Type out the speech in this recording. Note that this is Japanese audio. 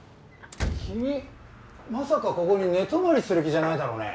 君まさかここに寝泊まりする気じゃないだろうね？